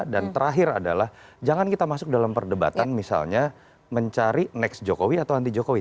dan terakhir adalah jangan kita masuk dalam perdebatan misalnya mencari next jokowi atau anti jokowi